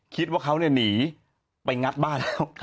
คิดว่าเขาหนีไปงัดบ้านแล้ว